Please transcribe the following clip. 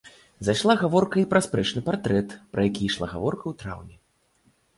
Зайшла гаворка і пра спрэчны партрэт, пра які ішла гаворка ў траўні.